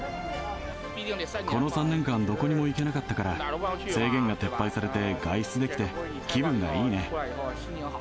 この３年間、どこにも行けなかったから、制限が撤廃されて、外出できて、気分がいいね。